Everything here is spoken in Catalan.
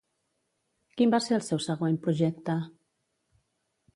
Quin va ser el seu següent projecte?